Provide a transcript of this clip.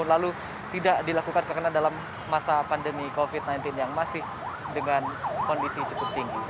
lalu tidak dilakukan karena dalam masa pandemi covid sembilan belas yang masih dengan kondisi cukup tinggi